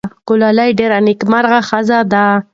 ګلالۍ ډېره نېکمرغه ښځه ده.